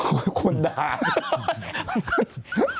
โอ้คนน่าฮ่า